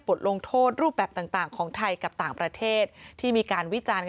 ลงโทษรูปแบบต่างของไทยกับต่างประเทศที่มีการวิจารณ์